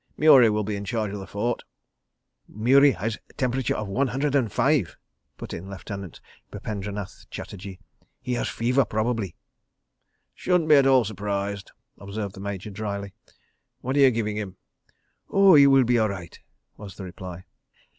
Murie will be in charge of the fort. ..." "Murie has temperature of one hundred and five," put in Lieutenant Bupendranath Chatterji. "He has fever probably." "Shouldn't be at all surprised," observed the Major dryly. "What are you giving him?" "Oah, he will be all right," was the reply.